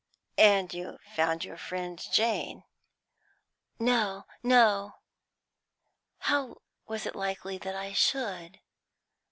"And you found your friend Jane!" "No, no; how was it likely I should?